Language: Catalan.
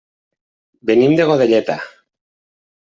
Venim de Godelleta.